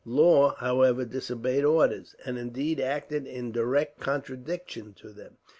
Law, however, disobeyed orders; and, indeed, acted in direct contradiction to them.